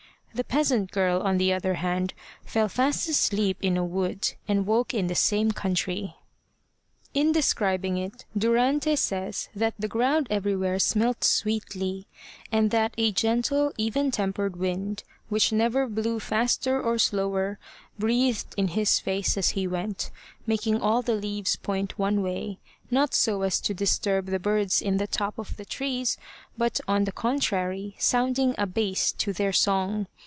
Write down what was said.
The peasant girl, on the other hand, fell fast asleep in a wood, and woke in the same country. In describing it, Durante says that the ground everywhere smelt sweetly, and that a gentle, even tempered wind, which never blew faster or slower, breathed in his face as he went, making all the leaves point one way, not so as to disturb the birds in the tops of the trees, but, on the contrary, sounding a bass to their song.